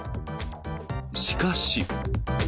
しかし。